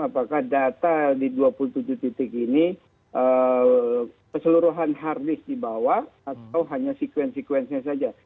apakah data di dua puluh tujuh titik ini keseluruhan hard disk dibawa atau hanya sekuen sekuensnya saja